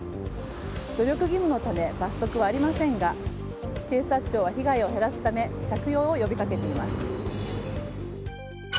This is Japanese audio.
努力義務のため罰則はありませんが警察庁は被害を減らすため着用を呼び掛けています。